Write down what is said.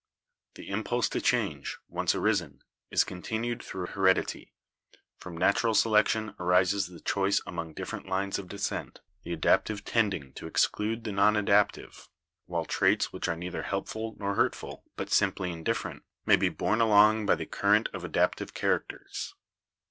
The impulse to change, once arisen, is continued through heredity. From natural selection arises the choice among different lines of descent, the adaptive tending to exclude the non adaptive, while traits which are neither helpful nor hurt ful, but simply indifferent, may be borne along by the cur rent of adaptive characters.